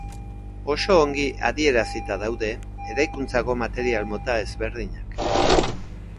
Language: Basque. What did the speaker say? Oso ongi adierazita daude eraikuntzako material mota ezberdinak.